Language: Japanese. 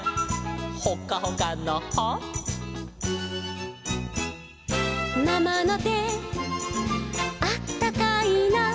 「ほっかほかのほ」「ママのてあったかいな」